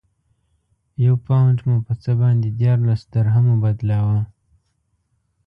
یو پونډ مو په څه باندې دیارلس درهمو بدلاوه.